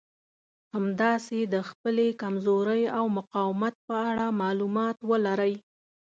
همداسې د خپلې کمزورۍ او مقاومت په اړه مالومات ولرئ.